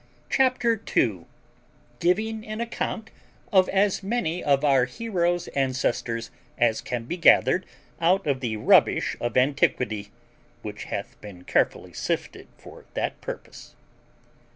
CHAPTER TWO GIVING AN ACCOUNT OF AS MANY OF OUR HERO'S ANCESTORS AS CAN BE GATHERED OUT OF THE RUBBISH OF ANTIQUITY, WHICH HATH BEEN CAREFULLY SIFTED FOR THAT PURPOSE.